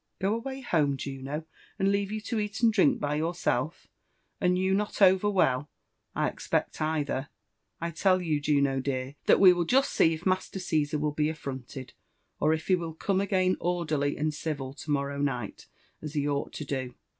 " Go away home, Juno ? and leave you to eat and drink by your self — and you not over well, I expect, either ? I tell you, Juno dear» that we will just see if Master Ciesar will be affronted, or if he will come again orderly and civil to morrow night, as he ought to do.